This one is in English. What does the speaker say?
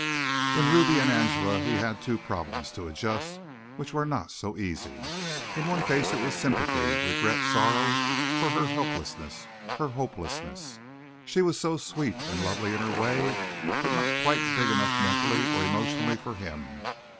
In Ruby and Angela he had two problems to adjust which were not so easy. In the one case it was sympathy, regret, sorrow for her helplessness, her hopelessness. She was so sweet and lovely in her way, but not quite big enough mentally or emotionally for him.